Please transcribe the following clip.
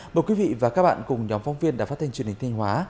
một quý vị và các bạn cùng nhóm phong viên đã phát thanh truyền hình thanh hóa